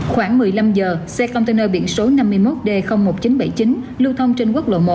khoảng một mươi năm giờ xe container biển số năm mươi một d một nghìn chín trăm bảy mươi chín lưu thông trên quốc lộ một